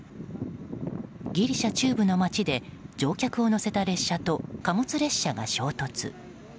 ギリシャ中部の町で乗客を乗せた列車と貨物列車が衝突。